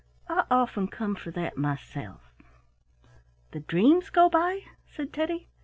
"I often come for that myself." "The dreams go by!" said Teddy.